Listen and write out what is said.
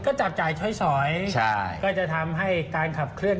ก็จับจ่ายใช้สอยก็จะทำให้การขับเคลื